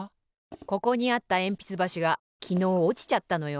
ここにあったえんぴつばしがきのうおちちゃったのよ。